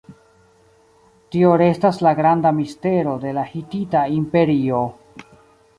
Tio restas la granda mistero de la Hitita Imperio.